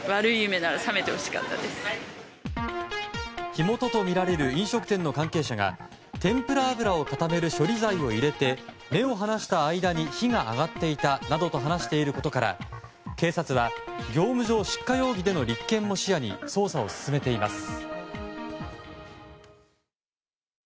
火元とみられる飲食店の関係者が天ぷら油を固める処理剤を入れて目を離した間に火が上がっていたなどと話していることから警察は、業務上失火容疑での立件も視野に捜査を進めています。